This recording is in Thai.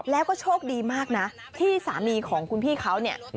แล้วก็โชคดีมากนะที่สามีของคุณพี่เขาเนี่ย